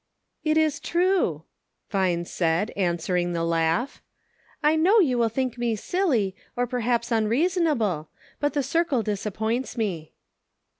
" It is true," Vine said, answering the laugh, " I know you will think me silly ; or perhaps unreason able, but the circle disappoints me."